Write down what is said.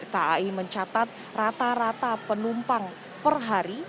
t a i mencatat rata rata penumpang per hari